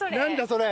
それ。